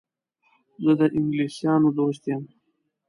زه د انګلیسیانو دوست یم.